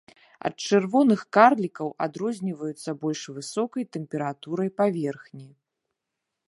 Ад чырвоных карлікаў адрозніваюцца больш высокай тэмпературай паверхні.